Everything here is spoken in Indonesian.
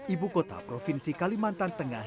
ibu kota provinsi kalimantan tengah